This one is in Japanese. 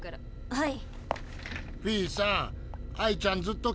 はい。